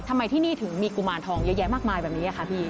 ทำไมที่นี่ถึงมีกุมารทองเยอะแยะมากมายแบบนี้ค่ะพี่